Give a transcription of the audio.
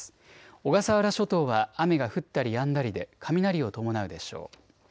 小笠原諸島は雨が降ったりやんだりで雷を伴うでしょう。